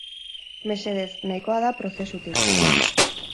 Mesedez, nahikoa da prozesutik!